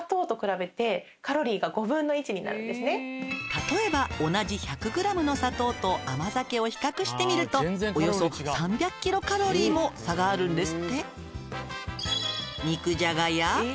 「例えば同じ１００ｇの砂糖と甘酒を比較してみるとおよそ３００ｋｃａｌも差があるんですって」